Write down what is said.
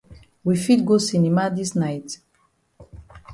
We fit go cinema dis night?